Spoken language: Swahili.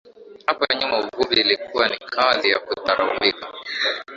Hapo nyuma uvuvi ilikuwa ni kazi ya kudharaulika